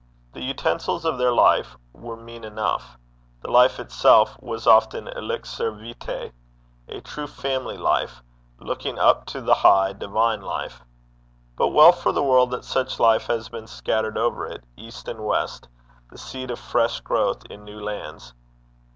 The utensils of their life were mean enough: the life itself was often elixir vitae a true family life, looking up to the high, divine life. But well for the world that such life has been scattered over it, east and west, the seed of fresh growth in new lands.